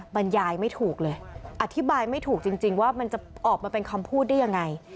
บรรยายไม่ถูกเลยอธิบายไม่ถูกจริงว่ามันจะออกมาเป็นคำพูดได้ยังไง